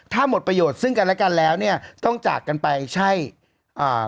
ถ้าหมดประโยชน์ซึ่งกันและกันแล้วเนี่ยต้องจากกันไปใช่อ่า